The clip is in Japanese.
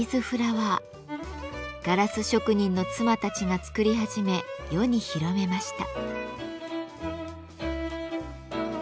ガラス職人の妻たちが作り始め世に広めました。